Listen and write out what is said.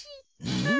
うん？